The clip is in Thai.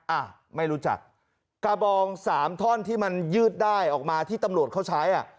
อ่ะไม่รู้จักกระบองสามท่อนที่มันยืดได้ออกมาที่ตำรวจเขาใช้อ่ะ